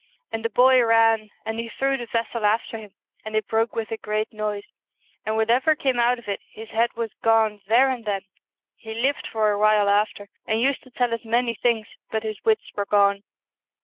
And the boy ran, and he threw the vessel after him, and it broke with a great noise, and what ever came out of it, his head was gone there and then. He lived for a while after, and used to tell us many things, but his wits were gone.